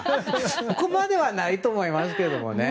そこまではないと思いますけどね。